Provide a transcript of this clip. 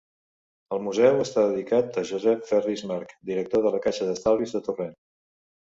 El museu està dedicat a Josep Ferrís March, director de la Caixa d'Estalvis de Torrent.